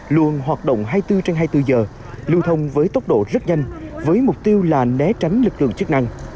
luôn hoạt động hai mươi bốn trên hai mươi bốn giờ lưu thông với tốc độ rất nhanh với mục tiêu là né tránh lực lượng chức năng